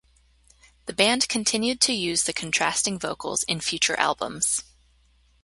The band continued to use the contrasting vocals in future albums.